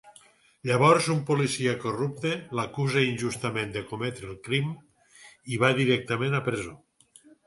Llavors un policia corrupte l'acusa injustament de cometre el crim i va directament a presó.